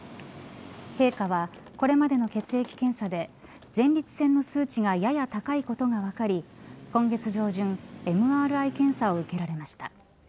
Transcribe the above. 陛下はこれまでの血液検査で前立腺の数値がやや高いことが分かり今月上旬、ＭＲＩ検査を受けられました。